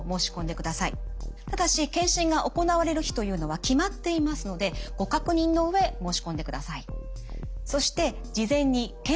ただし検診が行われる日というのは決まっていますのでご確認の上申し込んでください。